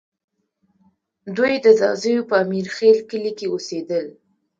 دوی د ځاځیو په امیرخېل کلي کې اوسېدل